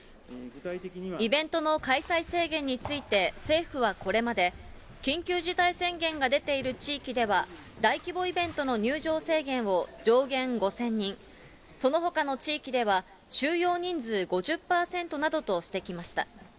イベントの開催制限について政府はこれまで、緊急事態宣言が出ている地域では、大規模イベントの入場制限を上限５０００人、そのほかの地域では、収容人数５０％などとしてきました。